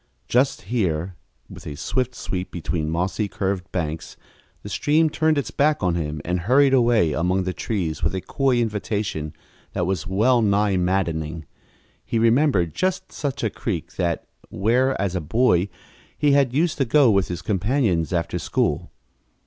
Just here, with a swift sweep between mossy, curved banks, the stream turned its back to him and hurried away among the trees with a coy invitation that was well nigh maddening. He remembered just such a creek as that where, as a boy, he had used to go with his companions after school.